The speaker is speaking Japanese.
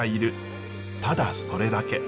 ただそれだけ。